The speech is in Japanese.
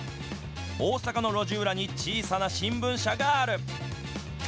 大阪の路地裏に小さな新聞社がある。